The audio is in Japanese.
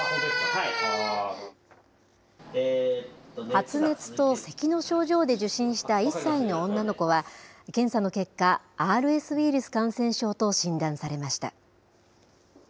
発熱とせきの症状で受診した１歳の女の子は、検査の結果、ＲＳウイルス感染症と診断されました。